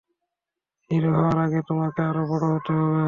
Hero হওয়ার আগে তোমাকে আরও বড় হতে হবে।